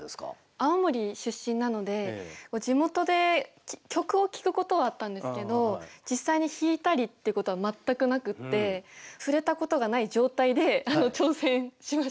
青森出身なので地元で曲を聴くことはあったんですけど実際に弾いたりっていうことは全くなくって触れたことがない状態で挑戦しました。